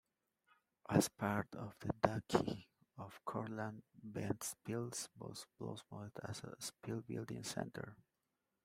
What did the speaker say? As part of the Duchy of Courland, Ventspils blossomed as a shipbuilding centre.